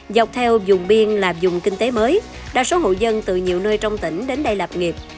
dọc theo dùng biên là dùng kinh tế mới đa số hộ dân từ nhiều nơi trong tỉnh đến đây lạp nghiệp